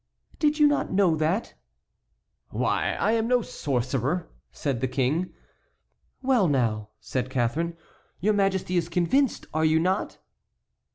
"Did you not know that?" "Why! I am no sorcerer," said the King. "Well, now," said Catharine, "your Majesty is convinced, are you not?"